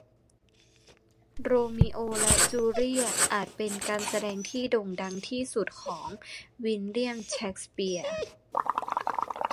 โรมิโอและจูเลียตอาจเป็นการแสดงที่โด่งดังที่สุดของวิลเลียมเชกสเปียร์